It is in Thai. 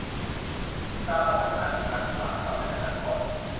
ที่สามารถพัฒนาเป็นฐานอุตสาหกรรมในอนาคต